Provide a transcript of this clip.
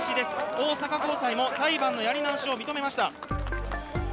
大阪高裁も裁判のやり直しを認めました。